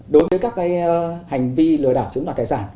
đối với các hành vi lừa đảo chiếm đoạt tài sản